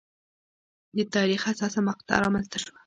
د تاریخ حساسه مقطعه رامنځته شوه.